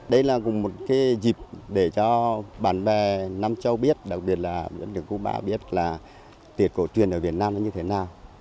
đây là cùng một cái dịp để cho bạn bè nam châu biết đặc biệt là bên đường cuba biết là tiệc cổ truyền ở việt nam là như thế nào